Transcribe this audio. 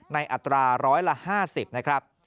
อัตราร้อยละ๕๐นะครับ